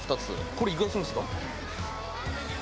これいくらするんですか？